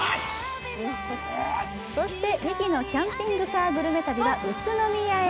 そして、「ミキのキャンピングカーグルメ旅」は宇都宮へ。